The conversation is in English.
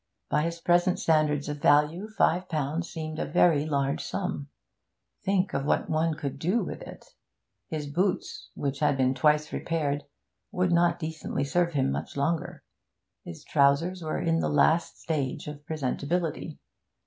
By his present standards of value five pounds seemed a very large sum. Think of what one could do with it! His boots which had been twice repaired would not decently serve him much longer. His trousers were in the last stage of presentability.